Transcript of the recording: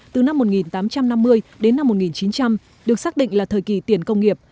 từ năm một nghìn tám trăm năm mươi đến năm một nghìn chín trăm linh được xác định là thời kỳ tiền công nghiệp